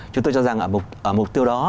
chúng tôi cho rằng ở mục tiêu đó